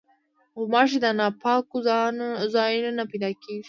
غوماشې د ناپاکو ځایونو نه پیدا کېږي.